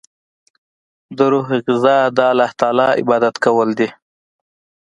د روح غذا د الله تعالی عبادت کول دی.